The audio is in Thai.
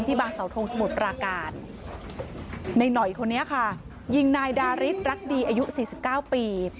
ที่บางสาวทรงสมุทราการในหน่อยคนเนี้ยค่ะยิงนายดาริสรักดีอายุสี่สิบเก้าปี